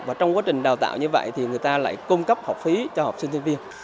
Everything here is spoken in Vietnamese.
và trong quá trình đào tạo như vậy thì người ta lại cung cấp học phí cho học sinh sinh viên